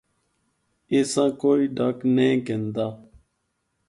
اس آں کوئ ڈک نینھ کندا۔